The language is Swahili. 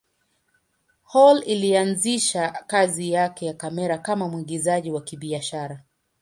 Hall alianza kazi yake ya kamera kama mwigizaji wa kibiashara.